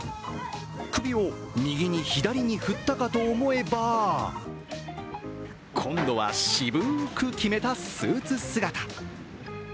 首を右に左に振ったかと思えば今度は渋く決めたスーツ姿。